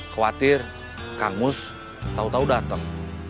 khawatir kang mus tau tau dateng